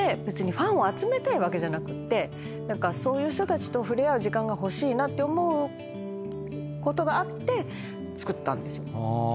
別にファンを集めたいわけじゃなくってそういう人たちと触れ合う時間が欲しいなって思うことがあってつくったんですよ。